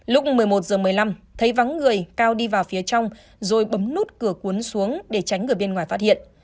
lúc một mươi một h một mươi năm thấy vắng người cao đi vào phía trong rồi bấm nút cửa cuốn xuống để tránh người bên ngoài phát hiện